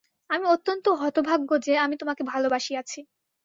আমি অত্যন্ত হতভাগ্য যে, আমি তোমাকে ভালোবাসিয়াছি।